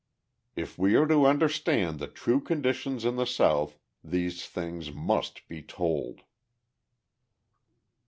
If we are to understand the true conditions in the South, these things must be told.